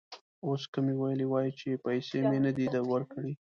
اوس که مې ویلي وای چې پیسې مې نه دي ورکړي.